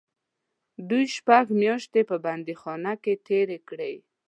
دوی شپږ میاشتې په بندیخانه کې تېرې کړې.